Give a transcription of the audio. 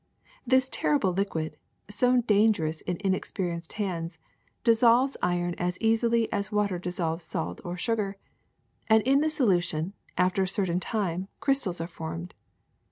This terrible liquid, so dangerous in inex perienced hands, dissolves iron as easily as water dissolves salt or sugar ; and in this solution, after a certain time, crystals are formed.